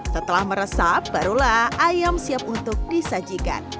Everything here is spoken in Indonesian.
setelah meresap barulah ayam siap untuk disajikan